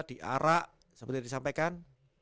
diarak seperti yang disampaikan